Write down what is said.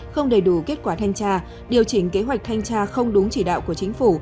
không đầy đủ kết quả thanh tra điều chỉnh kế hoạch thanh tra không đúng chỉ đạo của chính phủ